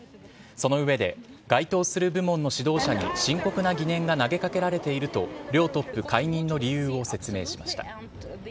その上で、該当する部門の指導者に深刻な疑念が投げかけられていると、両トップ解任の理由を説明しました。